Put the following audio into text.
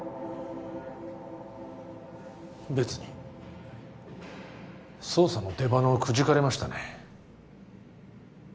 別に捜査の出鼻をくじかれましたね